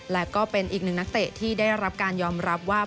และก็เป็นอีกหนึ่งนักเตะที่ได้รับการยอมรับว่า